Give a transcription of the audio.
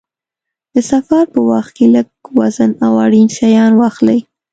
د سفر په وخت کې لږ وزن او اړین شیان واخلئ.